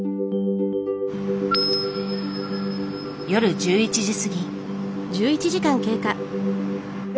夜１１時過ぎ。